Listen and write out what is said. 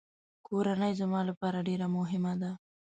کورنۍ زما لپاره ډېره مهمه ده.